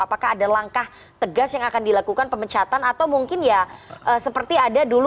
apakah ada langkah tegas yang akan dilakukan pemecatan atau mungkin ya seperti ada dulu